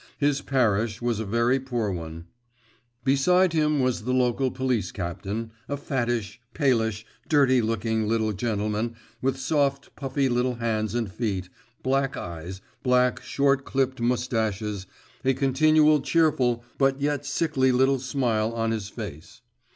His parish was a very poor one. Beside him was the local police captain, a fattish, palish, dirty looking little gentleman, with soft puffy little hands and feet, black eyes, black short clipped moustaches, a continual cheerful but yet sickly little smile on his face.